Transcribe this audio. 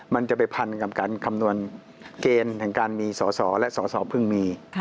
มันจะไปพันกับการคำนวณเกณฑ์แห่งการมีสอสอและสอสอเพิ่งมี